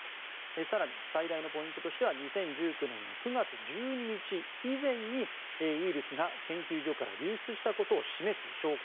更に、最大のポイントとしては２０１９年の９月１２日以前にウイルスが研究所から流出したことを示す証拠